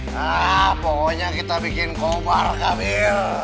nah pokoknya kita bikin kobar gamil